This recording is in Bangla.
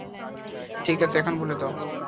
ঠিক আছে, এখন বলে দাও।